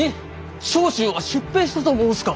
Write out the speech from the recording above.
長州は出兵したと申すか！